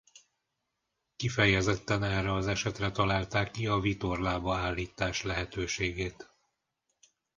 Kifejezetten erre az esetre találták ki a vitorlába állítás lehetőségét.